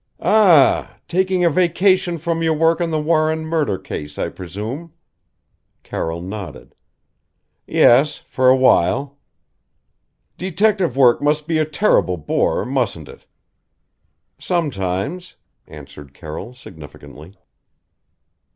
"A a ah! Taking a vacation from your work on the Warren murder case, I presume?" Carroll nodded. "Yes for awhile." "Detective work must be a terrible bore mustn't it?" "Sometimes," answered Carroll significantly.